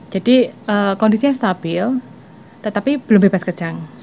jadi kondisinya stabil tetapi belum bebas kerjang